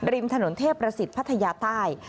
ริมถนนเทพรสิทธิ์พัทยาตาล